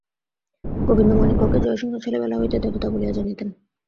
গোবিন্দমাণিক্যকে জয়সিংহ ছেলেবেলা হইতে দেবতা বলিয়া জানিতেন।